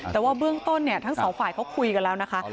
แต่ว่าเบื้องต้นทั้งสองฝ่ายเขาคุยกันแล้วนะคะ